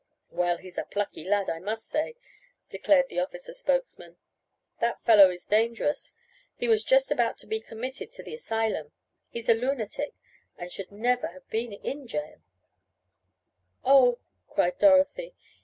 "Well, he's a plucky lad, I must say," declared the officer spokesman. "That fellow is dangerous, he was just about to be committed to the asylum. He's a lunatic, and should never have been in jail " "Oh," cried Dorothy.